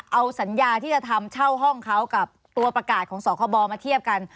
เอาสัญญาที่จะทำเช่าห้องเขากับตัวประกาศของสคบมาเทียบกัน